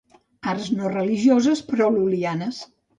Arts no religioses, però lul·lianes.